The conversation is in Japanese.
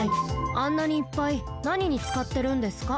あんなにいっぱいなににつかってるんですか？